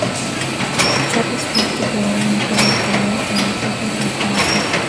Charles Forte creó un imperio hotelero en las islas británicas.